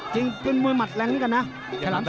จริงมือมัดแรงนี้กันนะ